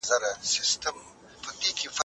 سپین سرې لښتې ته په قهرجنو سترګو وکتل.